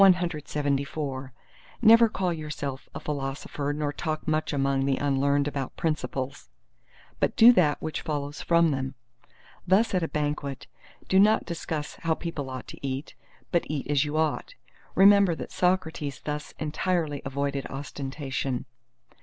CLXXV Never call yourself a Philosopher nor talk much among the unlearned about Principles, but do that which follows from them. Thus at a banquet, do not discuss how people ought to eat; but eat as you ought. Remember that Socrates thus entirely avoided ostentation.